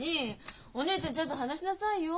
お姉ちゃんにちゃんと話しなさいよ。